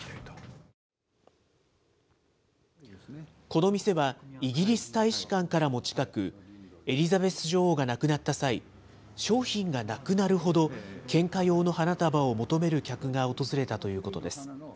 この店は、イギリス大使館からも近く、エリザベス女王が亡くなった際、商品がなくなるほど、献花用の花束を求める客が訪れたということです。